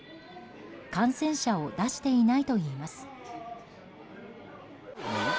感染者を出していないといいます。